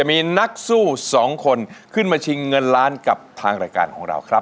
มีนักสู้สองคนขึ้นมาชิงเงินล้านกับทางรายการของเราครับ